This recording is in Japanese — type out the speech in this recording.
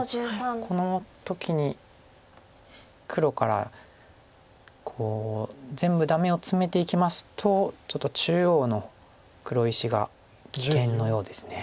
この時に黒からこう全部ダメをツメていきますとちょっと中央の黒石が危険のようです。